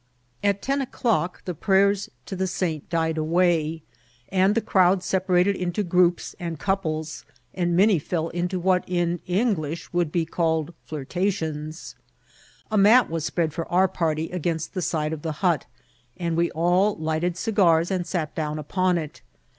At ten o'clock the prayers to the saint died away, and Vol. I— I t0 IMCIDBNTS OF TEATSL. the crowd separated into groups and couples, and many fell into what in English would be called flirtaticHis. A mat was s{ff ead for our party against the side of the hut, and we all lighted cigars and sat down upon it.